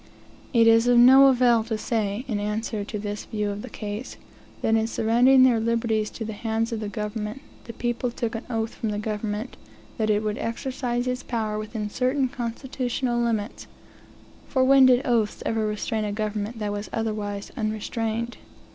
It is of no avail to say, in answer to this view of the ease, that in surrendering their liberties into the hands of the government, the people took an oath from the government, that it would exercise its power within certain constitutional limits; for when did oaths ever restrain a government that was otherwise unrestrained?